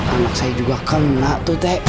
anak saya juga kena tuh teh